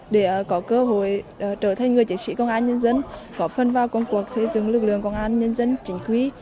để có cơ hội trở thành người chiến sĩ công an nhân dân có phần vào công cuộc xây dựng lực lượng công an nhân dân chính quy